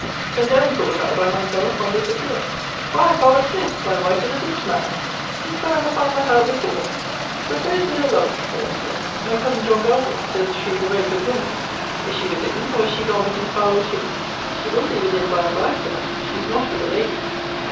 Condemned, thought I, by myself, on this appeal. Why, father Smith, thy wife is a wit, man! Didst thou ever find that out before? But where is widow Lovick, dame Smith? My cousin John Belford says she is a very good woman. Is she within? or is she gone with Miss Harlowe too? She will be within by and by, Sir. She is not with the lady.